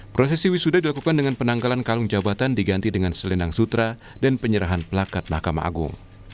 prosesi wisuda dilakukan dengan penanggalan kalung jabatan diganti dengan selendang sutra dan penyerahan pelakat mahkamah agung